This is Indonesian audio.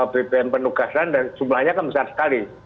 bpm penugasan dan jumlahnya kan besar sekali